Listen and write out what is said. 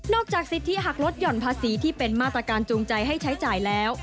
จากสิทธิหักลดหย่อนภาษีที่เป็นมาตรการจูงใจให้ใช้จ่ายแล้ว